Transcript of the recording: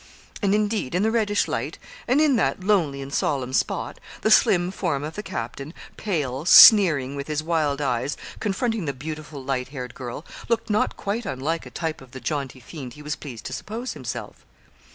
And indeed in the reddish light, and in that lonely and solemn spot, the slim form of the captain, pale, sneering, with his wild eyes, confronting the beautiful light haired girl, looked not quite unlike a type of the jaunty fiend he was pleased to suppose himself.